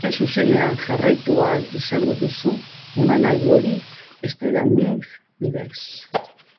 Zuzen-zuzenean jarraitu ahal izango duzu emanaldi hori steraming bidez.